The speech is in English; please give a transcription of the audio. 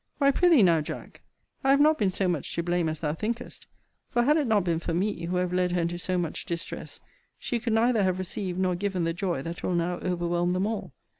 Why pr'ythee, now, Jack, I have not been so much to blame as thou thinkest: for had it not been for me, who have led her into so much distress, she could neither have received nor given the joy that will now overwhelm them all.